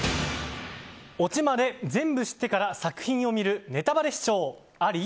オチまで全部知ってから作品を見るネタバレ視聴あり？